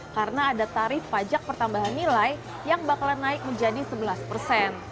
karena ada tarif pajak pertambahan nilai yang bakal naik menjadi sebelas persen